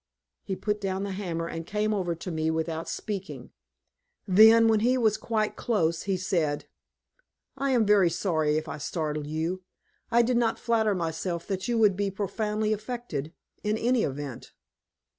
He put down the hammer and came over to me without speaking. Then, when he was quite close, he said: "I am very sorry if I startled you. I did not flatter myself that you would be profoundly affected, in any event."